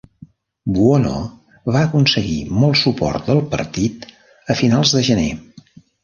Buono va aconseguir molt suport del partit a finals de gener.